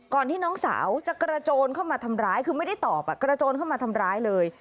ที่น้องสาวจะกระโจนเข้ามาทำร้ายคือไม่ได้ตอบกระโจนเข้ามาทำร้ายเลย